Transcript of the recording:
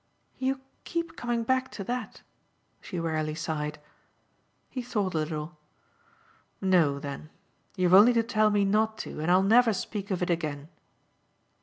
"You keep coming back to that?" she wearily sighed. He thought a little. "No, then. You've only to tell me not to, and I'll never speak of it again."